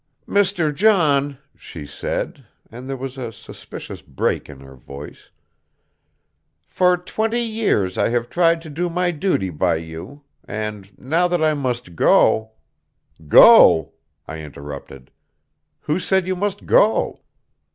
"Mr. John," she said, and there was a suspicious break in her voice, "for twenty years I have tried to do my duty by you, and now that I must go " "Go?" I interrupted; "who said you must go?